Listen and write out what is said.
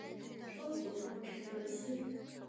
曾祖父陈德兴。